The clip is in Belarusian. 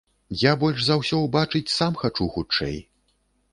Я больш за ўсё ўбачыць сам хачу хутчэй!